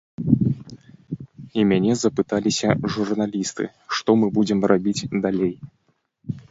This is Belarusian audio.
І мяне запыталіся журналісты, што мы будзем рабіць далей.